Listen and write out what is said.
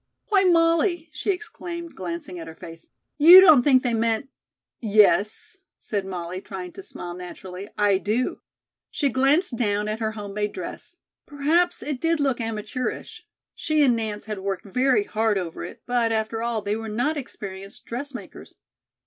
"Why, Molly," she exclaimed, glancing at her face, "you don't think they meant " "Yes," said Molly, trying to smile naturally, "I do." She glanced down at her home made dress. Perhaps it did look amateurish. She and Nance had worked very hard over it, but, after all, they were not experienced dressmakers.